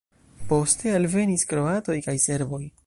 Poste alvenis kroatoj kaj serboj.